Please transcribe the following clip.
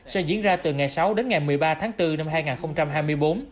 sẽ diễn ra từ ngày sáu đến ngày một mươi ba tháng bốn năm hai nghìn hai mươi bốn